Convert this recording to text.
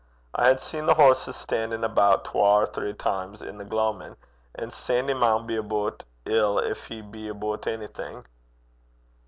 I had seen the horses stan'in' aboot twa or three times i' the gloamin'; an' Sandy maun be aboot ill gin he be aboot onything.'